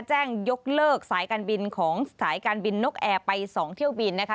แจ้งยกเลิกสายการบินของสายการบินนกแอร์ไป๒เที่ยวบินนะคะ